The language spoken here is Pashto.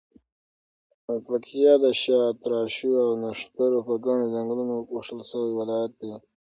پکتیا د شاتراشو او نښترو په ګڼو ځنګلونو پوښل شوی ولایت دی.